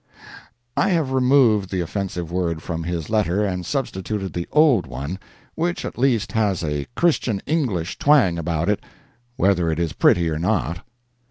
I have removed the offensive word from his letter and substituted the old one, which at least has a Christian English twang about it whether it is pretty or not.